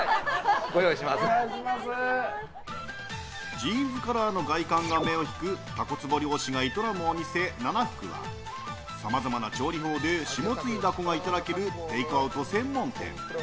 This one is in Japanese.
ジーンズカラーの外観が目を引く、タコつぼ漁師が営むお店、Ｎａｎａｈｕｋｕはさまざまな調理法で下津井ダコがいただけるテイクアウト専門店。